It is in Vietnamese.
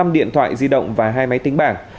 năm điện thoại di động và hai máy tính bảng